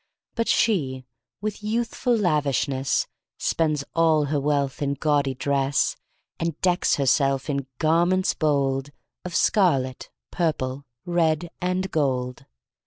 But she, with youthful lavishness, Spends all her wealth in gaudy dress, And decks herself in garments bold Of scarlet, purple, red, and gold.